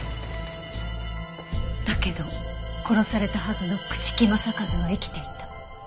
だけど殺されたはずの朽木政一は生きていた。